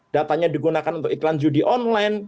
datanya digunakan untuk iklan judi online